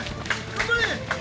頑張れ！